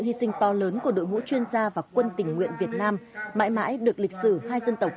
hy sinh to lớn của đội ngũ chuyên gia và quân tình nguyện việt nam mãi mãi được lịch sử hai dân tộc